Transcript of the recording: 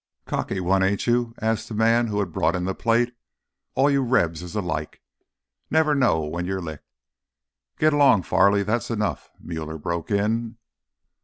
"Cocky one, ain't you?" asked the man who had brought in the plate. "All you Rebs is alike—never know when you're licked—" "Get along, Farley, that's enough," Muller broke in.